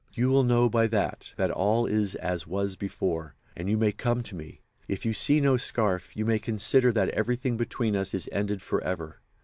You will know by that that all is as was before, and you may come to me. If you see no scarf you may consider that everything between us is ended forever.